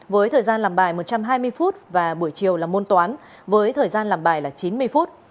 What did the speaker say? với thời gian làm bài một trăm hai mươi phút và buổi chiều là môn toán với thời gian làm bài là chín mươi phút